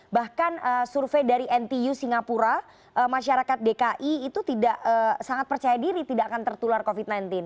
bahkan survei dari ntu singapura masyarakat dki itu tidak sangat percaya diri tidak akan tertular covid sembilan belas